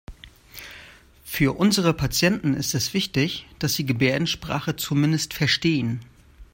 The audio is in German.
Für unsere Patienten ist es wichtig, dass Sie Gebärdensprache zumindest verstehen.